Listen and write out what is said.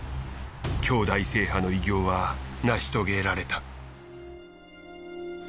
兄弟制覇の偉業は成し遂げられた。